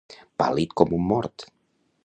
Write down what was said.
Pàl·lid com un mort.